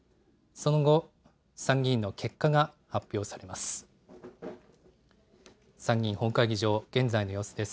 その後、参議院の結果が発表されます。